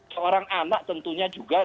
seorang anak tentunya juga